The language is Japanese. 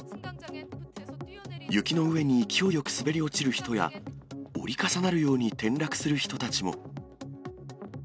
雪の上に勢いよく滑り落ちる人や、折り重なるように転落する人たちも。